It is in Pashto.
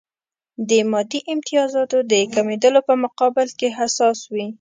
د مادي امتیازاتو د کمېدلو په مقابل کې حساس وي.